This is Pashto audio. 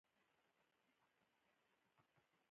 نن هماغه خلک د بدو هدف ګرځي.